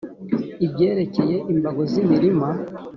ibyerekeye imbago z’imirima